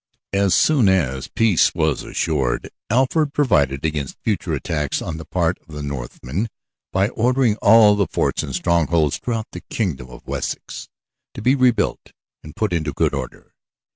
As soon as peace was assured Alfred provided against future attacks on the part of the Northmen by ordering all the forts and strongholds throughout the kingdom of Wessex to be rebuilt and put into good order.